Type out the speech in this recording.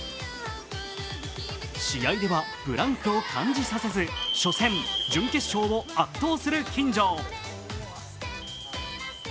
試合ではブランクを感じさせず初戦、準決勝を圧倒する金城。